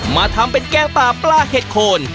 มาทำเป็นแกงป่าปลาเห็ดโคน